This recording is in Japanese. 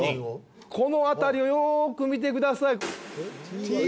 このあたりをよく見てください。